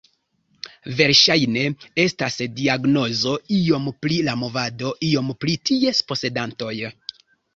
Verŝajne estas diagnozo iom pri la movado, iom pri ties posedantoj.